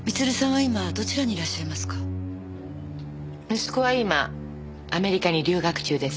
息子は今アメリカに留学中です。